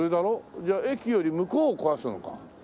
じゃあ駅より向こうを壊すのか。